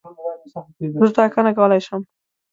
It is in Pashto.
زه ټاکنه کولای شم.